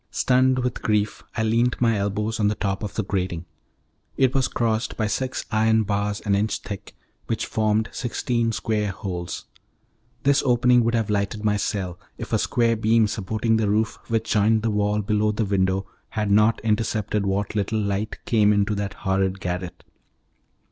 Stunned with grief, I leant my elbows on the top of the grating. It was crossed, by six iron bars an inch thick, which formed sixteen square holes. This opening would have lighted my cell, if a square beam supporting the roof which joined the wall below the window had not intercepted what little light came into that horrid garret.